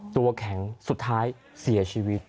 ตัวแข็งสุดท้ายเสียชีวิต